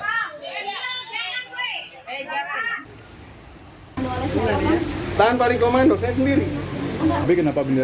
tahan pari komando saya sendiri